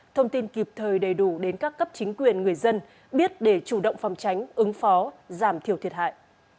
thông tin kịp thời đầy đủ đến các cấp chính quyền người dân biết để chủ động phòng tránh ứng phó giảm thiểu thiệt hại